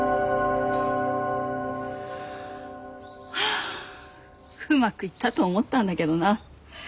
ハァうまくいったと思ったんだけどな。